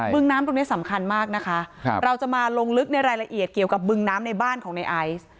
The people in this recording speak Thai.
ึงน้ำตรงนี้สำคัญมากนะคะเราจะมาลงลึกในรายละเอียดเกี่ยวกับบึงน้ำในบ้านของในไอซ์